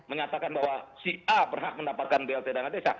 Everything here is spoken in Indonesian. menyatakan bahwa si a berhak mendapatkan blt dana desa